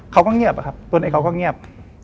เขาก็เงียบอะครับตัวเองเขาก็เงียบ